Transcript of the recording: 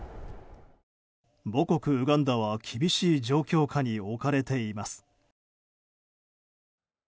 母国ウガンダは厳しい状況下に置かれています。